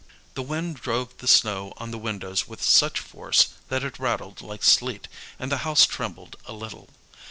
The wind drove the snow on the windows with such force that it rattled like sleet, and the house trembled a little.